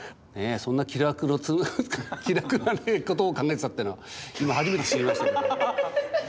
そんな気楽なことを考えてたってのは今初めて知りましたけど。